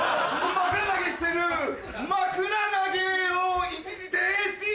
枕投げしてる枕投げを一時停止！